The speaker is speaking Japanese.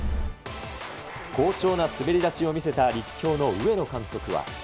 好調な滑り出しを見せた立教の上野監督は。